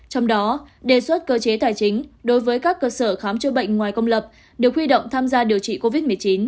trong đó đề xuất cơ chế tài chính đối với các cơ sở khám chữa bệnh ngoài công lập đều huy động tham gia điều trị covid một mươi chín